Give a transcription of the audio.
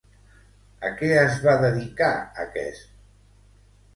A què es va dedicar, aquest?